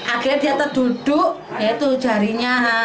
akhirnya dia terduduk ya itu jarinya